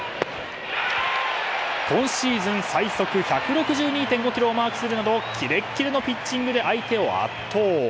今シーズン最速１６２．５キロをマークするなどキレッキレのピッチングで相手を圧倒。